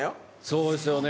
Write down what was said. そうですよね。